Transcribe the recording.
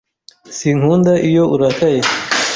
Sinkunda iyo urakaye.